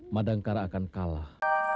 madangkara akan kalah